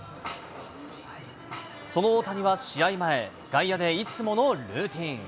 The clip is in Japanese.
その大谷は試合前、外野でいつものルーティン。